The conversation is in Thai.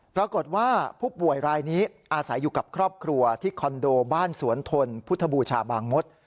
ปรากฏว่าผู้ป่วยรายนี้อาศัยอยู่กับครอบครัวที่คอนโดบ้านสวนทนพุทธบูชาบางมศ